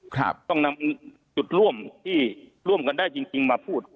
ครับต้องนำจุดร่วมที่ร่วมกันได้จริงจริงมาพูด